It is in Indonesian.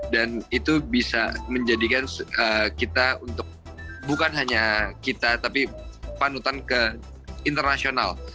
itu bisa menjadikan kita untuk bukan hanya kita tapi panutan ke internasional